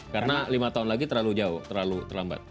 karena lima tahun lagi terlalu jauh terlalu terlambat